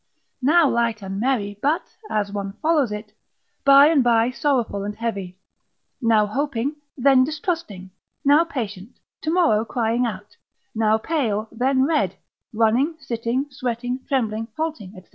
Now light and merry, but (as one follows it) by and by sorrowful and heavy; now hoping, then distrusting; now patient, tomorrow crying out; now pale, then red; running, sitting, sweating, trembling, halting, &c.